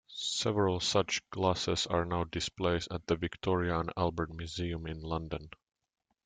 Several such glasses are now displayed at the Victoria and Albert Museum in London.